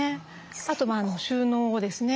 あと収納ですね。